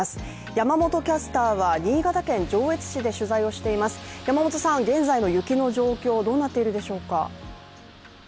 山本キャスターは新潟県上越市で取材をしています、山本さん、現在の雪の状況、どうなっているでしょうか？